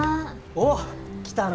おっ来たな。